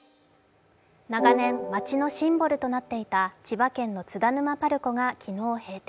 長年街のシンボルとなっていた千葉県の津田沼パルコが昨日閉店。